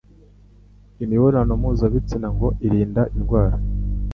Imibonano mpuzabitsina ngo irinda indwara